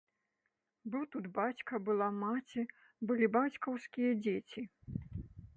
Быў тут бацька, была маці, былі бацькаўскія дзеці.